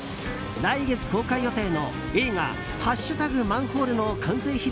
来月公開予定の映画「＃マンホール」の完成披露